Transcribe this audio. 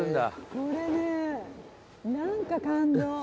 これね何か感動。